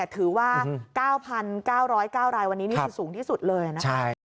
ถือว่า๙๙๐๙รายวันนี้นี่คือสูงที่สุดเลยนะครับ